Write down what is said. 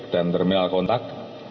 dan terminal kontak